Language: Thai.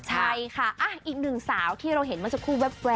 ใช่ค่ะอีกหนึ่งสาวที่เราเห็นมันจะคู่แบบ